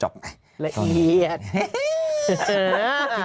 ละเอียด